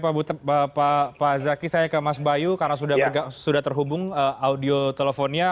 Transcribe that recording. pak zaki saya ke mas bayu karena sudah terhubung audio teleponnya